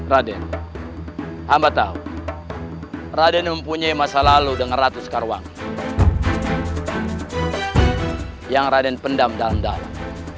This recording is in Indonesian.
raden amba tahu raden mempunyai masa lalu dengan ratus karwang yang raden pendam dalam darah